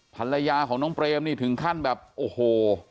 ภรรยาของน้องเปรมนี่ถึงขั้นแบบโอ้โห